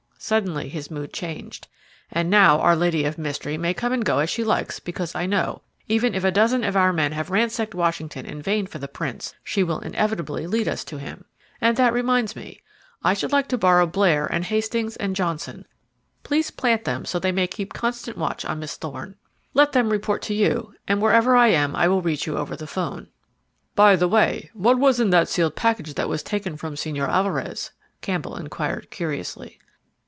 Suddenly his mood changed: "And now our lady of mystery may come and go as she likes because I know, even if a dozen of our men have ransacked Washington in vain for the prince, she will inevitably lead us to him. And that reminds me: I should like to borrow Blair, and Hastings, and Johnson. Please plant them so they may keep constant watch on Miss Thorne. Let them report to you, and, wherever I am, I will reach you over the 'phone." "By the way, what was in that sealed packet that was taken from Señor Alvarez?" Campbell inquired curiously.